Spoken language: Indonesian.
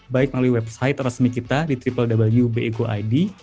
baik melalui website resmi kita di www bi co id